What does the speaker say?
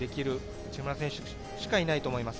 内村選手しかいないと思います。